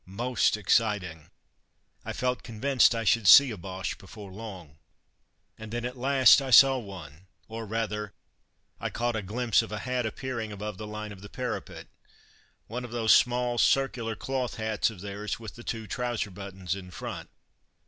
Most exciting! I felt convinced I should see a Boche before long. And then, at last, I saw one or rather I caught a glimpse of a hat appearing above the line of the parapet. One of those small circular cloth hats of theirs with the two trouser buttons in front.